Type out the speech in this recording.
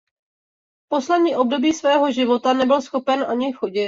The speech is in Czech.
Poslední období svého života nebyl schopen ani chodit.